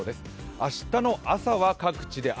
明日の朝は各地で雨。